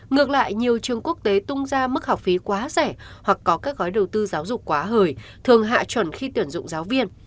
ngược lại nhiều trường quốc tế tung ra mức học phí quá rẻ hoặc có các gói đầu tư giáo dục quá hời thường hạ chuẩn khi tuyển dụng giáo viên